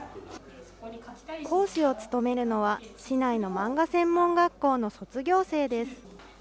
講師を務めるのは市内の漫画専門学校の卒業生です。